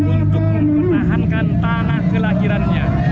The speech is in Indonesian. untuk mempertahankan tanah kelahirannya